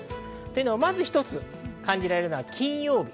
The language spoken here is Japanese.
まず一つ感じられるのは金曜日。